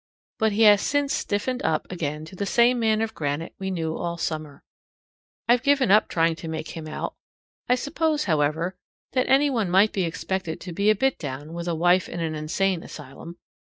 But he has since stiffened up again to the same man of granite we knew all summer. I've given up trying to make him out. I suppose, however, that any one might be expected to be a bit down with a wife in an insane asylum.